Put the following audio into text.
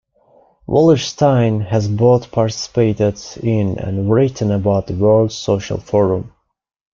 Wallerstein has both participated in and written about the World Social Forum.